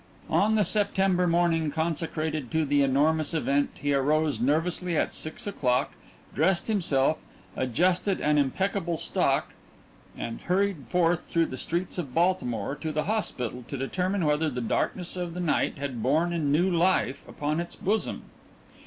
On the September morning consecrated to the enormous event he arose nervously at six o'clock, dressed himself, adjusted an impeccable stock, and hurried forth through the streets of Baltimore to the hospital, to determine whether the darkness of the night had borne in new life upon its bosom.